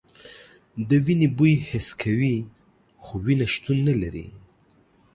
د وینې بوی حس کوي خو وینه شتون نه لري.